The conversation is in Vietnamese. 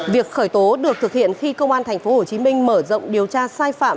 việc khởi tố được thực hiện khi công an tp hcm mở rộng điều tra sai phạm